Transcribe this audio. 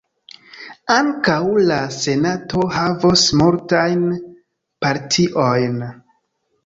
Ankaŭ la Senato havos multajn partiojn.